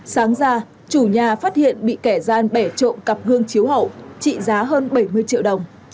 sáng ra chủ nhà phát hiện bị kẻ gian bể trộm cặp hương chiếu hậu trị giá hơn bảy mươi triệu đồng